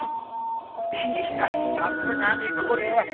いやさすがにこれは。